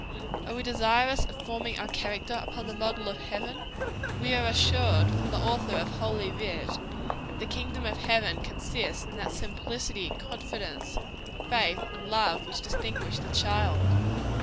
Are we desirous of forming our character upon the model of heaven? We are assured, from the Author of Holy Writ, that the kingdom of heaven consists in that simplicity, confidence, faith and love, which distinguish the child.